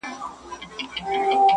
o كه څه هم په دار وځړوو.